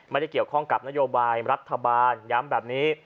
ไม่ได้เกี่ยวข้องกับนโยบายรัฐบาลย้ำแบบนี้